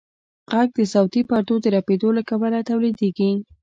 غږ د صوتي پردو د رپېدو له کبله تولیدېږي.